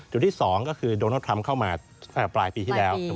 ที่๒ก็คือโดนัลดทรัมป์เข้ามาปลายปีที่แล้ว